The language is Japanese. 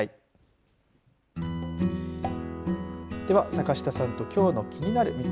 では、坂下さんときょうのキニナル！